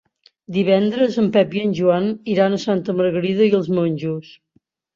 Divendres en Pep i en Joan iran a Santa Margarida i els Monjos.